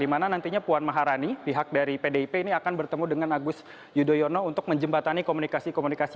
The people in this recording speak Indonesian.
di mana nantinya puan maharani pihak dari pdip ini akan bertemu dengan agus yudhoyono untuk menjembatani komunikasi komunikasi